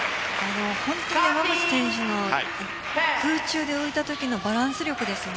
本当に山口選手の空中で浮いたときのバランス力ですよね。